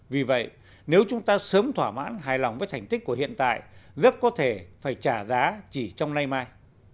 vì vậy nếu chúng ta sớm thỏa mãn hài lòng với thành tích của hiện tại rất có thể phải trả giá chỉ trong lai mai